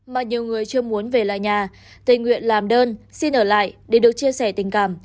mà nhiều người chưa muốn về lại nhà tình nguyện làm đơn xin ở lại để được chia sẻ tình cảm